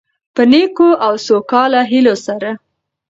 په نیکو او سوکاله هيلو سره،